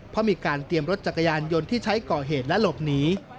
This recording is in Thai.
เพราะมีการเตรียมรถจักรยานยนต์ที่ใช้ก่อเหตุและหลบหนี